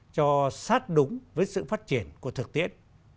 phát đúng với sự phát triển của thực tiễn